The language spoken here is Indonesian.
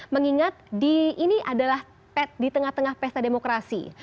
mengingat ini adalah pet di tengah tengah pesta demokrasi